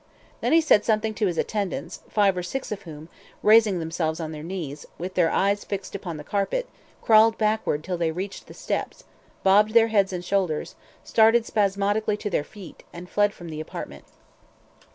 Then he said something to his attendants, five or six of whom, raising themselves on their knees, with their eyes fixed upon the carpet, crawled backward till they reached the steps, bobbed their heads and shoulders, started spasmodically to their feet, and fled from the apartment.